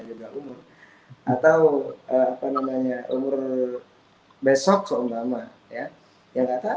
hai yang apa namanya hai ulang tahun dan dirayain selama tuh